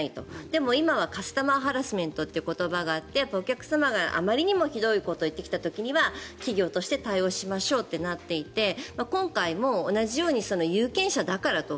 でも、今はカスタマーハラスメントという言葉があってお客様があまりにもひどいことを言ってきた時には企業として対応しましょうとなっていて今回も同じように有権者だからと。